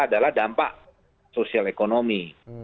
adalah dampak sosial ekonomi